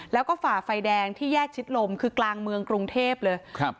แล้วก็ฝ่าไฟแดงที่แยกชิดลมคือกลางเมืองกรุงเทพเลยครับ